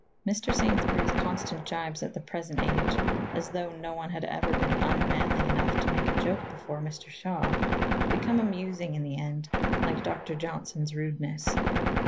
Mr. Saintsbury's constant jibes at the present age, as though no one had ever been unmanly enough to make a joke before Mr. Shaw, become amusing in the end like Dr. Johnson's rudenesses.